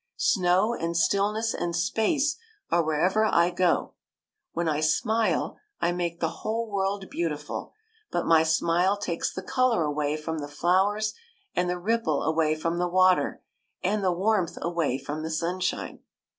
" Snow and still ness and space are wherever I go ; when I smile, I make the whole world beautiful, but my smile takes the colour away from the flow ers and the ripple away from the water and the warmth away from the sunshine."